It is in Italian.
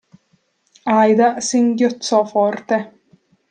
Aida singhiozzò forte.